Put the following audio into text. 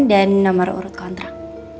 dan nomor urut kontrak